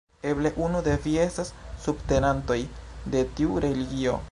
Eble unu de vi estas subtenantoj de tiu religio.